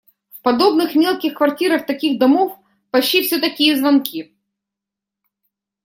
В подобных мелких квартирах таких домов почти всё такие звонки.